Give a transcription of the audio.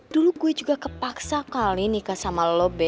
dulu gue juga kepaksa kali nikah sama lobe